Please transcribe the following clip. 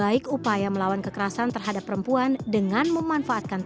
fitur utama yang dimiliki adalah penyelenggaraan